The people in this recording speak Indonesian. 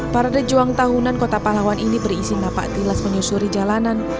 parade juang tahunan kota pahlawan ini berisi napak tilas menyusuri jalanan